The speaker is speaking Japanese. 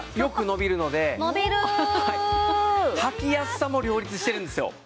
伸びる！はきやすさも両立しているんですよ。